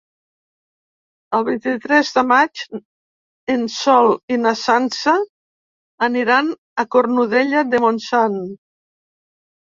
El vint-i-tres de maig en Sol i na Sança aniran a Cornudella de Montsant.